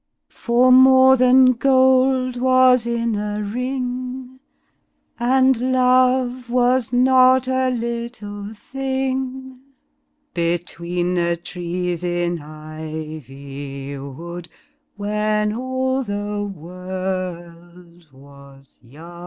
For more than gold was in a ring, and love was not a little thing Between the trees in Ivywood when all the world was young."